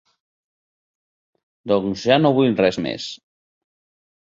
Doncs ja no vull res més.